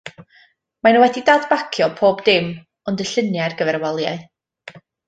Maen nhw wedi dadbacio pob dim ond y lluniau ar gyfer y waliau.